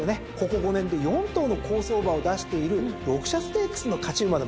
ここ５年で４頭の好走馬を出している六社ステークスの勝ち馬でもありますからね。